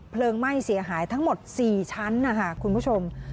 เพลิงไหม้เสียหายทั้งหมด๔ชั้นคุณผู้ชม